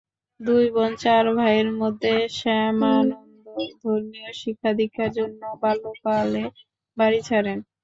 দুই বোন চার ভাইয়ের মধ্যে শ্যামানন্দ ধর্মীয় শিক্ষা-দীক্ষার জন্য বাল্যকালে বাড়ি ছাড়েন।